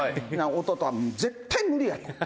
「弟は、絶対無理やと。